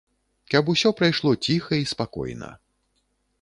Каб усё прайшло ціха і спакойна.